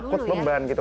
karena takut beban gitu